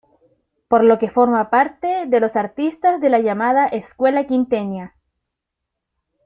Por lo que forma parte de los artistas de la llamada Escuela Quiteña.